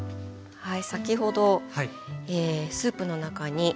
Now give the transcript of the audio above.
はい。